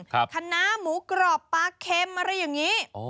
คณะหมูกรอบปลาเค็มอะไรอย่างนี้